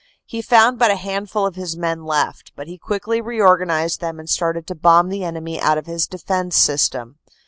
He found but a handful of his men left, but he quickly reorganized them and started to bomb the enemy out of his defense system.